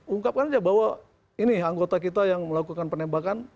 ungkapkan aja bahwa ini anggota kita yang melakukan penembakan